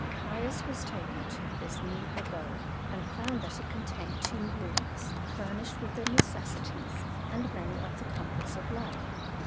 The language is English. Caius was taken to this new abode, and found that it contained two rooms, furnished with the necessities and many of the comforts of life.